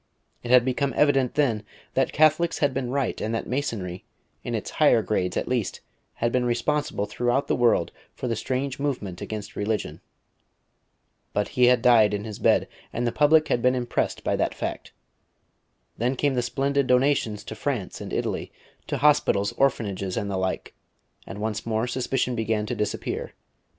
It had become evident then that Catholics had been right, and that Masonry, in its higher grades at least, had been responsible throughout the world for the strange movement against religion. But he had died in his bed, and the public had been impressed by that fact. Then came the splendid donations in France and Italy to hospitals, orphanages, and the like; and once more suspicion began to disappear.